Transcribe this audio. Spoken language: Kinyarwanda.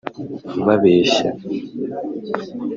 babeshya